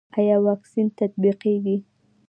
آیا واکسین تطبیقیږي؟